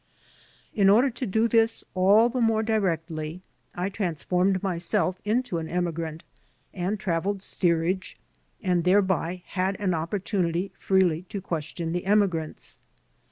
In order to do this all the more directly I transformed myself into an emigrant and travelled steerage and thereby had an opportunity freely to question the emigrants.